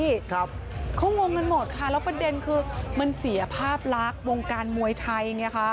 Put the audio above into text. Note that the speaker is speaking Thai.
เขางงกันหมดค่ะแล้วประเด็นคือมันเสียภาพลาควงการมวยไทย